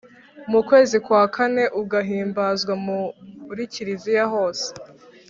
mu kwezi kwa kane ugahimbazwa muri kiliziya hose